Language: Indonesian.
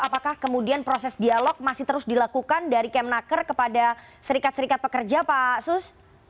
apakah kemudian proses dialog masih terus dilakukan dari kemnaker kepada serikat serikat pekerja pak sus